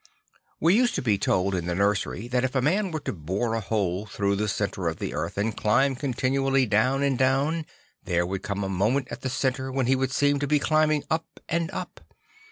We used to be told in the nursery that if a man were to bore a hole through the centre of the earth and climb continually down and down, there would come a moment at the centre when he would seem to be climbing up and up.